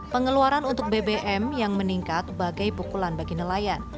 pengeluaran untuk bbm yang meningkat bagai pukulan bagi nelayan